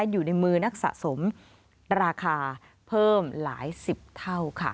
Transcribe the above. อยู่ในมือนักสะสมราคาเพิ่มหลายสิบเท่าค่ะ